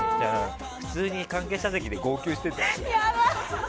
普通に関係者席で号泣してた。